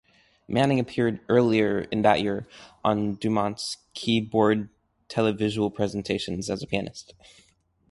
Manning appeared earlier in that year on DuMont's "Key-Bored Televisual Presentations" as a pianist.